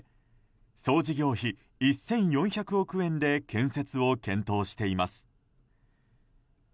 総事業費１４００億円で建設を検討しています。